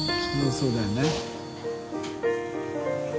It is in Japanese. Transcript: そうだよね。